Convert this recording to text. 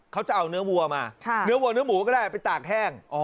เขาจะเอาเนื้อวัวมาเนื้อวัวเนื้อหมูก็ได้ไปตากแห้ง